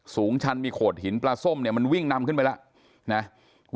สูงชั้นมีโขดหินปลาส้มมันวิ่งนำขึ้นไปแล้ว